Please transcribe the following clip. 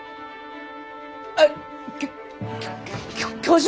あきょきょ教授！